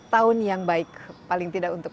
tahun yang baik paling tidak untuk